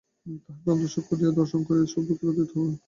তাঁহাকে অন্তশ্চক্ষু দ্বারা দর্শন করিয়া সুখ-দুঃখের অতীত হওয়া যায়।